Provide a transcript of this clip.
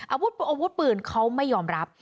อาวุธปืนเขาไม่ยอมรับ